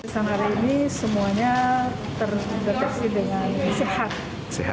standar ini semuanya terdeteksi dengan sehat